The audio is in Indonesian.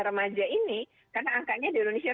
remaja ini karena angkanya di indonesia